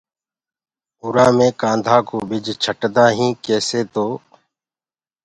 اُرآ مي ڪآڌآ ڪو ٻج ڇٽدآ هين ڪيسي تو